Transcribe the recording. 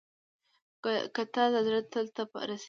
کتل د زړه تل ته رسېږي